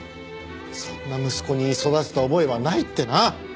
そんな息子に育てた覚えはないってな！